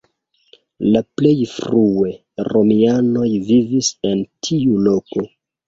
La plej frue romianoj vivis en tiu loko.